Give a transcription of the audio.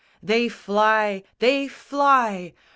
"They fly! They fly!"